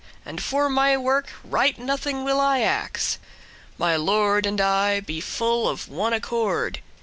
And for my work right nothing will I ax* *ask My lord and I be full of one accord.